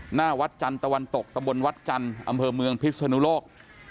หน้าวัดจันทร์ตะวันตกตะบนวัดจันทร์อำเภอเมืองพิศนุโลก